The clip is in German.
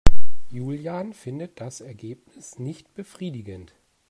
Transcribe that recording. Julian findet das Ergebnis nicht befriedigend.